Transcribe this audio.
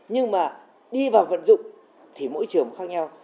nhưng mà đi vào vận dụng thì mỗi trường khác nhau